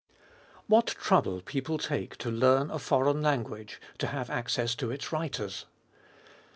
7. What trouble people take to learn a foreign language, to haoe access to its writers.